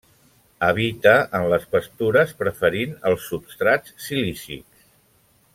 Habita en les pastures, preferint els substrats silícics.